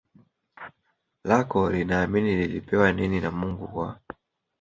lako linaamini lilipewa nini na Mungu kwa